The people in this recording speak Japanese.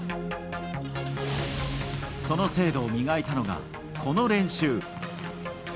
その精度を磨いたのがこの練習。